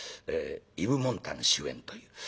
イヴ・モンタン主演という。